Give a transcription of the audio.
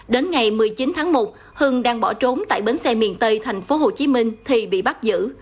đến ngày một mươi chín tháng một hưng đang bỏ trốn tại bến xe miền tây tp hcm thì bị bắt giữ